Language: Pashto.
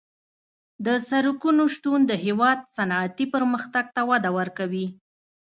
د سرکونو شتون د هېواد صنعتي پرمختګ ته وده ورکوي